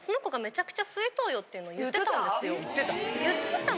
言ってた？